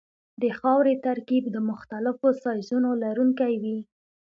د خاورې ترکیب د مختلفو سایزونو لرونکی وي